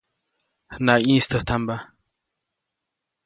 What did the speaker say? Naʼyĩstäjtampa.